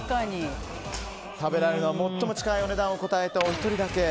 食べられるのは、最も近いお値段を答えたお一人だけ。